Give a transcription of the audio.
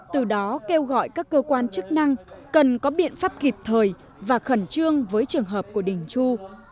từ đó kêu gọi các cơ quan chức năng cần có biện pháp kịp thời và khẩn trương với trường hợp của đình chu